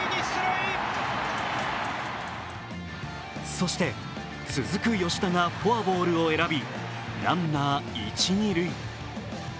そして続く吉田がフォアボールを選び、ランナー、一・二塁。